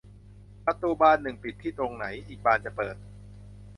ประตูบานหนึ่งปิดที่ตรงไหน อีกบานจะเปิด